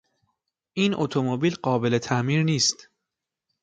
این اتومبیل قابل تعمیر نیست.